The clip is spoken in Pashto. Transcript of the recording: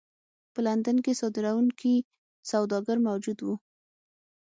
په لندن کې صادروونکي سوداګر موجود وو.